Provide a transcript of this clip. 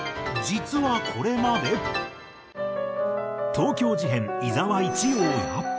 東京事変伊澤一葉や。